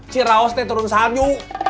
cirausnya turun salju